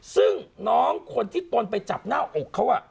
ซึ่งน้องคนที่ตนไปจับหน้าอกเขา